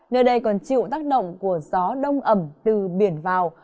nơi đây còn chịu tác động của gió đông ẩm từ biển vào